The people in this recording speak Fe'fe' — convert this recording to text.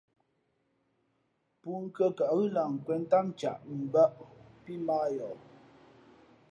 Pûnkhʉ̄ᾱ kαʼ ghʉ́ lah nkwēn ntám ncaʼ mbᾱʼ pí mᾱ ā yαα.